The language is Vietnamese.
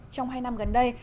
trong hai năm gần đây